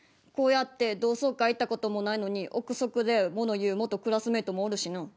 こうやって同窓会行った事もないのに臆測で物言う元クラスメートもおるしな。